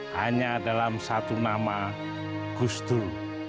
hanya dalam satu nama gustur